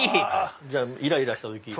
じゃあイライラした時。